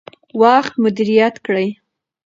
وخت مدیریت کړئ.